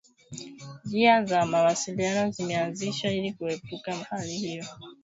Njia za mawasiliano zimeanzishwa ili kuepuka hali hiyo